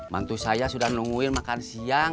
bantu saya sudah nungguil makan siang